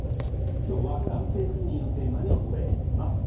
今日は男性不妊をテーマにお伝えしています。